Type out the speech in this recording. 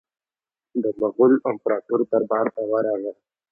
د مغول امپراطور دربار ته ورغی.